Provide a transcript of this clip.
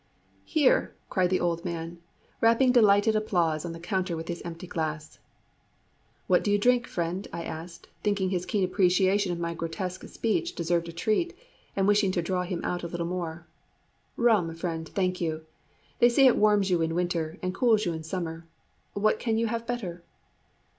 "Hear!" cried the old man, rapping delighted applause on the counter with his empty glass. "What do you drink, friend?" I asked, thinking his keen appreciation of my grotesque speech deserved a treat, and wishing to draw him out a little more. "Rum, friend, thank you. They say it warms you in winter, and cools you in summer what can you have better?"